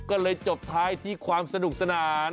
ก็เลยจบท้ายที่ความสนุกสนาน